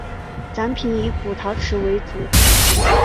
展品以古陶瓷为主。